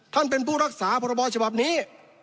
ท่านเป็นผู้รักษาพรบฉบับนี้